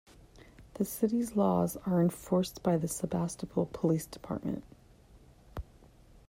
The city's laws are enforced by the Sebastopol Police Department.